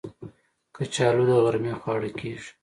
کچالو د غرمې خواړه کېږي